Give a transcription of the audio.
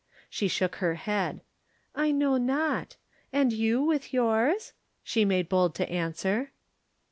She shook her head. "I know not. And you with yours?" she made bold to answer.